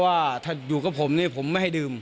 ก็เลยไม่รู้ว่าวันเกิดเหตุคือมีอาการมืนเมาอะไรบ้างหรือเปล่า